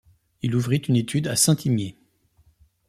Il ouvrit une étude à Saint-Imier.